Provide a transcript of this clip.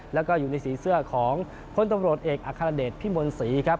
แล้วก็อยู่ในสีเสื้อของพลตำรวจเอกอัครเดชพิมลศรีครับ